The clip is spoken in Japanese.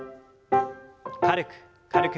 軽く軽く。